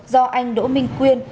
do anh đỗ minh quyên